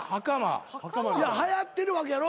はやってるわけやろ？